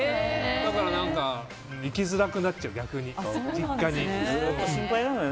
だから逆に行きづらくなっちゃう実家に。